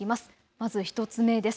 まず１つ目です。